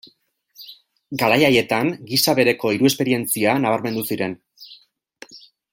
Garai haietan gisa bereko hiru esperientzia nabarmendu ziren.